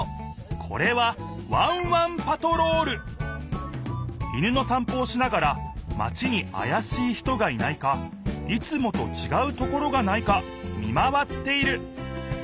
これは犬のさん歩をしながらマチにあやしい人がいないかいつもとちがうところがないか見回っている。